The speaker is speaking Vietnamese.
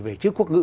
về chữ quốc ngữ